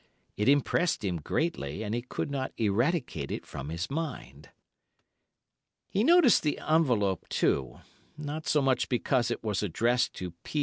It impressed him greatly, and he could not eradicate it from his mind. "He noticed the envelope, too, not so much because it was addressed to P.